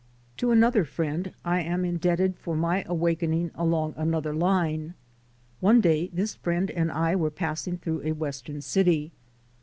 To another friend I am indebted for my awaken ing along another line. One day this friend and I were passing through a western city.